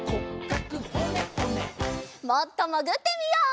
もっともぐってみよう。